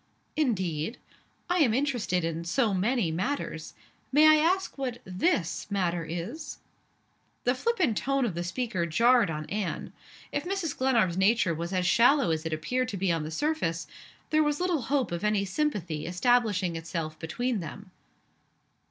"Indeed? I am interested in so many matters. May I ask what this matter is?" The flippant tone of the speaker jarred on Anne. If Mrs. Glenarm's nature was as shallow as it appeared to be on the surface, there was little hope of any sympathy establishing itself between them.